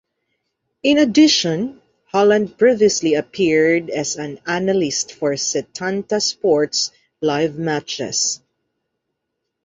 In addition Holland previously appeared as an analyst for Setanta Sports' live matches.